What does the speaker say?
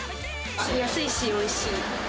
安いしおいしい。